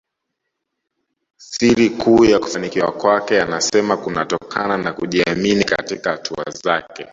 Siri kuu ya kufanikiwa kwake anasema kunatokana na kujiamini katika hatua zake